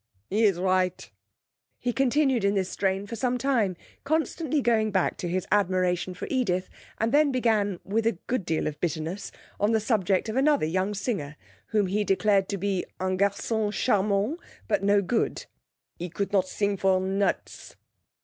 'E is right.' He continued in this strain for some time, constantly going back to his admiration for Edith, and then began (with a good deal of bitterness) on the subject of another young singer, whom he declared to be un garçon charmant, but no good. 'He could not sing for nuts.'